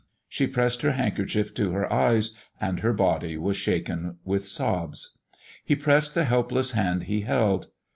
She pressed her handkerchief to her eyes, and her body was shaken with sobs. He pressed the helpless hand he held.